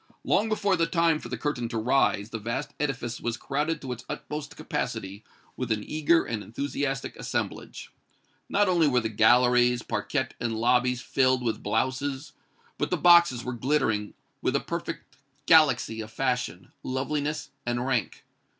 Long before the time for the curtain to rise, the vast edifice was crowded to its utmost capacity with an eager and enthusiastic assemblage. Not only were the galleries, parquette and lobbies filled with blouses, but the boxes were glittering with a perfect galaxy of fashion, loveliness and rank.